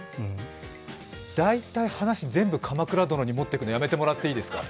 大体話、全部「鎌倉殿」にもっていくの、やめてもらっていいですか。